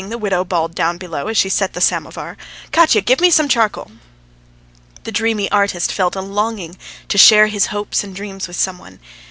the widow bawled down below, as she set the samovar. "Katya, give me some charcoal!" The dreamy artist felt a longing to share his hopes and dreams with some one.